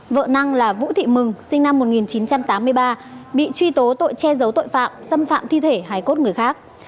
vợ năng là vũ thị mừng sinh năm một nghìn chín trăm tám mươi ba bị truy tố tội che giấu tội phạm xâm phạm thi thể hải cốt người khác